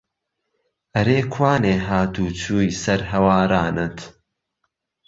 ئەرێ کوانێ هات و چووی سەر هەوارانت